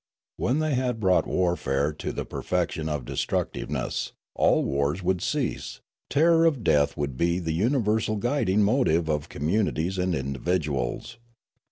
When they had brought warfare to the perfection of destructiveness, all wars would cease ; terror of death would be the universal guiding motive of communities and individuals.